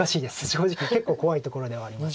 正直結構怖いところではあります。